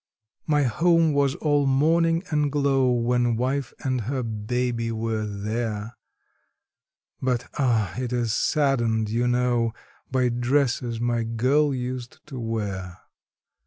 My home was all morning and glow when wife and her baby were there, But, ah! it is saddened, you know, by dresses my girl used to wear.